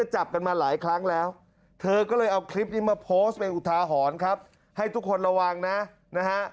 ชาหอนครับให้ทุกคนระวังนะฮะ